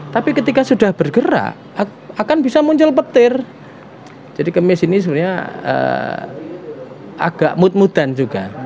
tapi ketika sudah bergerak akan bisa muncul petir jadi kemis ini sebenarnya agak mood moodan juga